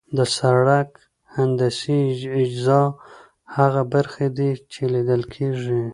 د سرک هندسي اجزا هغه برخې دي چې لیدل کیږي